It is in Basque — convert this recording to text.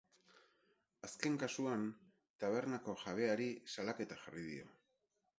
Azken kasuan, tabernako jabeari salaketa jarri dio.